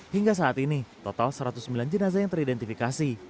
hingga saat ini total satu ratus sembilan jenazah yang teridentifikasi